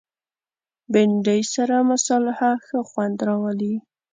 بېنډۍ سره مصالحه ښه خوند راولي